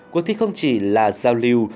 cuộc thi không chỉ là giao lưu